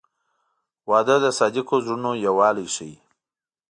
• واده د صادقو زړونو یووالی ښیي.